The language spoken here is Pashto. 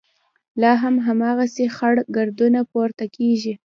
لا هم هماغسې خړ ګردونه پورته کېږي.